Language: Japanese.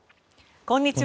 こんにちは。